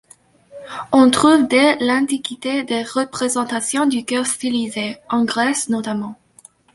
On trouve dès l'Antiquité des représentations du cœur stylisé, en Grèce notamment.